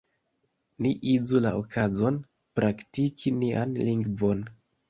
Ni uzu la okazon praktiki nian lingvon!